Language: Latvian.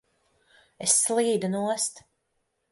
Es slīdu nost!